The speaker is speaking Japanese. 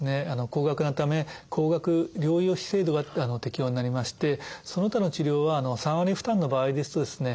高額なため高額療養費制度が適用になりましてその他の治療は３割負担の場合ですとですね